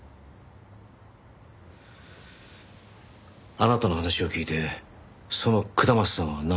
あなたの話を聞いてその下松さんはなんと？